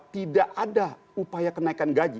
tidak ada upaya kenaikan gaji